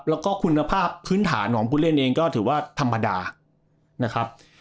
แล้วก็คุณภาพพื้นฐานของผู้เล่นเองก็ถือว่าธรรมดานะครับ